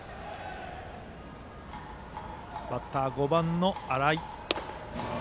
バッターは５番、新井。